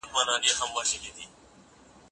دوی به د غوښتنو د مخنیوي لپاره په خپل شخصیت کار کاوه.